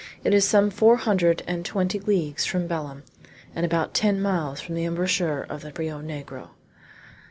It is some four hundred and twenty leagues from Belem, and about ten miles from the embouchure of the Rio Negro.